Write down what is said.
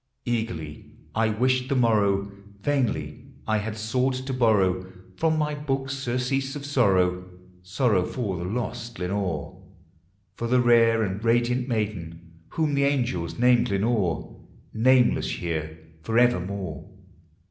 Eagerly I wished the morrow ; vainly I had sought to borrow From my books surcease of sorrow, — sorrow for the lost Lenore, — For the rare and radiant maiden whom the angels named Lenore, — Nameless here fore verm ore.